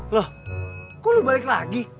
loh kok lo balik lagi